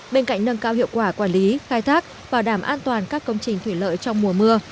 bên cạnh nâng cao hiệu quả quản lý khai thác bảo đảm an toàn các công trình thủy lợi trong mùa mưa